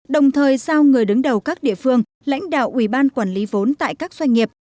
đồng thời sao người đứng đầu các địa phương lãnh đạo ủy ban quản lý vốn tại các doanh nghiệp